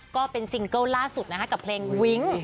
ก็เป็นซิงเกิลล่าสุดนะคะกับเพลงวิ้ง